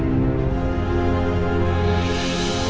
ini vulernya itu pelepaskan toxins